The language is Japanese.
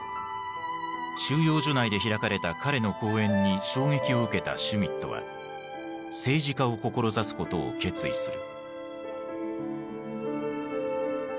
収容所内で開かれた彼の講演に衝撃を受けたシュミットは政治家を志すことを決意する。